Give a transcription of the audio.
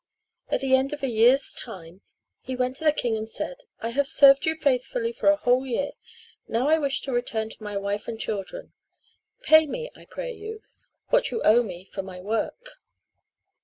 At the end of a year's time he went to the king and said: "I have served you faithfully for a whole year. Now I wish to return to my wife and children. Pay me, I pray you, what you owe me for my work."